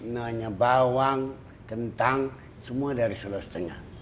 namanya bawang kentang semua dari sulawesi tengah